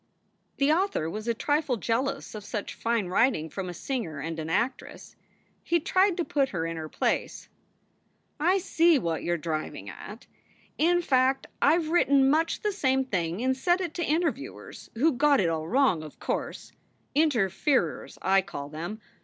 The author was a trifle jealous of such fine writing from a singer and an actress. He tried to put her in her place : "I see what you re driving at. In fact, I ve written much the same thing and said it to interviewers, who got it all wrong, of course interferers, I call them.